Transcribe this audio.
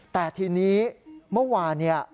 แต่ทีนี้เมื่อวานเนี่ย